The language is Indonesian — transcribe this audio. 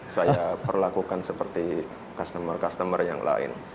saya perlakukan seperti customer customer yang lain